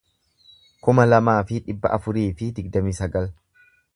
kuma lamaa fi dhibba afurii fi digdamii sagal